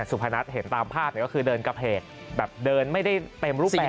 สุพนัทเห็นตามภาพก็คือเดินกระเพกแบบเดินไม่ได้เต็มรูปแบบ